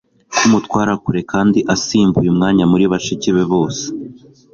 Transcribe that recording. Kumutwara kure kandi asimbuye umwanya muri bashiki be bose